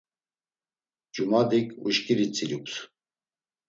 Cumadik uşkiri tzilups.